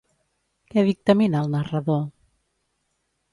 Què dictamina el narrador?